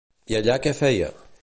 I allà què feia?